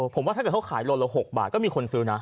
ผมว่าถ้าเกิดเขาขายโลละ๖บาทก็มีคนซื้อนะ